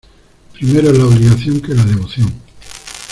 Primero es la obligación que la devoción.